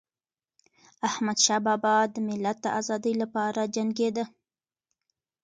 احمدشاه بابا د ملت د ازادی لپاره جنګيده.